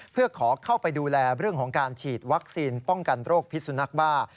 เพื่อขอเข้าไปดูแลเรื่องของการฉีดวัคซีนป้องกันโรคพิษสุนักบ้า